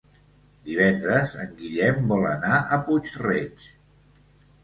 Divendres en Guillem vol anar a Puig-reig.